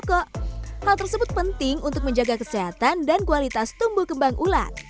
selain menggunakan masker yang paling penting adalah menjaga kebersihan dan tidak menggunakan bau bau menyengat seperti pengembangan ulat sutra